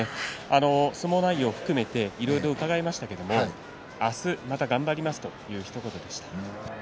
相撲内容を含めていろいろ伺いましたが明日また頑張りますというひと言でした。